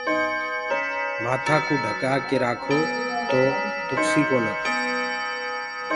مآٿآ ڪو ڍڪآ ڪي رآکو تو دُکسي ڪونآ۔